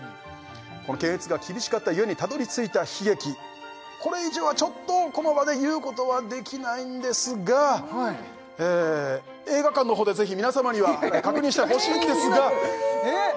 この検閲が厳しかった故にたどり着いた悲劇これ以上はちょっとこの場で言うことはできないんですが映画館の方で是非皆様には確認してほしいんですがえっ何！？